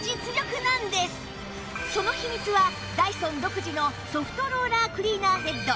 その秘密はダイソン独自のソフトローラークリーナーヘッド